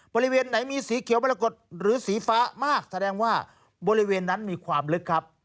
บริเวณไหนมีสีเขียวมรกฏหรือสีฟ้ามากแสดงว่าบริเวณนั้นมีความลึกครับ